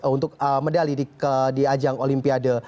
untuk medali di ajang olimpiade